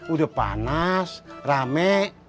udah panas rame